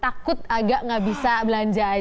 takut agak gak bisa belanja aja